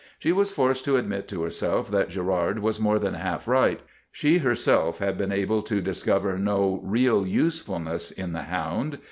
She was forced to admit to herself that Girard was more than half right. She herself had been able to discover no real usefulness in the hound.